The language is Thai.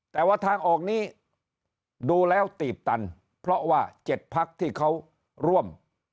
แต่ว่าทางออกนี้ดูแล้วตีบตันเพราะว่า๗พักที่เขาร่วม